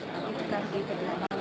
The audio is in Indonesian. tapi bukan di tni tani